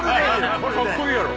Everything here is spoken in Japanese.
かっこいいやろ。